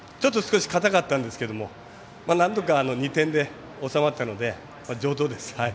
硬かったんですけどなんとか２点で収まったので上等です。